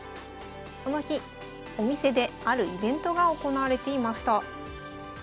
この日お店であるイベントが行われていました。